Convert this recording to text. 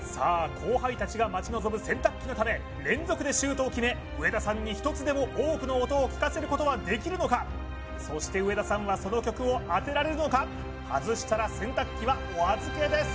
後輩たちが待ち望む洗濯機のため連続でシュートを決め上田さんに１つでも多くの音を聞かせることはできるのかそして上田さんはその曲を当てられるのか外したら洗濯機はおあずけです